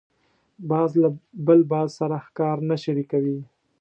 باز له بل باز سره ښکار نه شریکوي